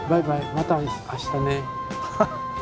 また明日ね。